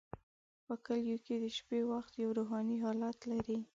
په کلیو کې د شپې وخت یو روحاني حالت لري.